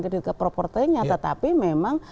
kredit ke proportenya tetapi memang